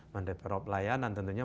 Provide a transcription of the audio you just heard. mendevelop layanan tentunya